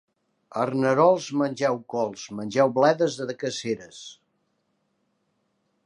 Arnerols, mengeu cols, mengeu bledes de Caseres.